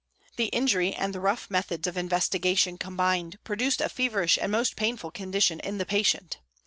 The injury and the rough methods of investigation combined produced a feverish and most painful condition in the patient.